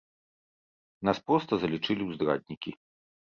Нас проста залічылі ў здраднікі.